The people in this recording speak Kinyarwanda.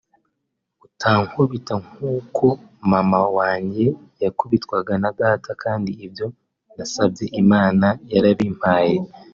utankubita nk’uko mama wa njye yakubitwaga na data kandi ibyo nasabye Imana yarabimpaye